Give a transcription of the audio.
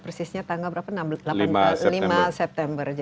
persisnya tanggal berapa lima september